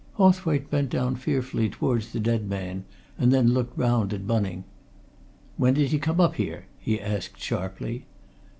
Hawthwaite bent down fearfully towards the dead man, and then looked round at Bunning. "When did he come up here?" he asked sharply.